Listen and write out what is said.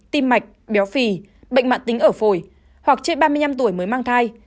tim mạch béo phì bệnh mạng tính ở phổi hoặc trên ba mươi năm tuổi mới mang thai